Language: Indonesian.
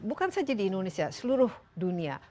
bukan saja di indonesia seluruh dunia